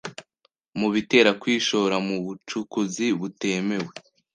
mu bitera kwishora mu bucukuzi butemewe,